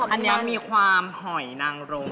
อันนี้มีความหอยนางรม